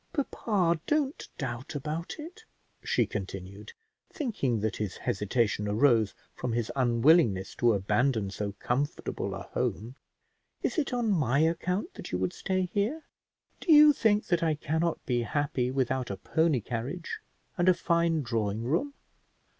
"Papa, don't doubt about it," she continued, thinking that his hesitation arose from his unwillingness to abandon so comfortable a home; "is it on my account that you would stay here? Do you think that I cannot be happy without a pony carriage and a fine drawing room?